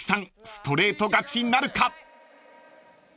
ストレート勝ちなるか？］